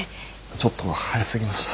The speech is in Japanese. ちょっと早すぎました。